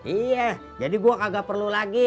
iya jadi gue kagak perlu lagi